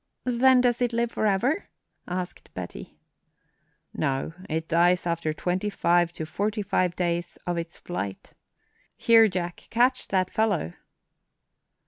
"Then does it live forever?" asked Betty. "No; it dies after twenty five to forty five days of its flight. Here, Jack, catch that fellow!"